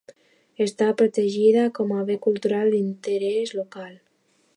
Està protegida com a bé cultural d'interès local.